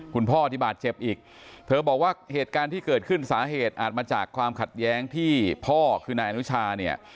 คุณพ่อที่บาดเจ็บอีกเธอบอกว่าเหตุการณ์ที่เกิดขึ้นสาเหตุอาจมาจากความขัดแย้งที่พ่อคือนายอนุชาเนี่ย